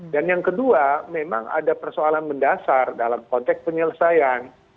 dan yang kedua memang ada persoalan mendasar dalam konteks penyelesaian